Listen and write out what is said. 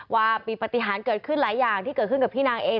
ว่ามีปฏิหารเกิดขึ้นหลายอย่างที่เกิดขึ้นกับพี่นางเอง